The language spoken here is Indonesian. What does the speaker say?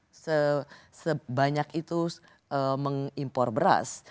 kita tidak pernah sebanyak itu mengimpor beras